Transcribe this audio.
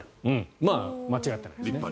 まあ、間違ってないですね。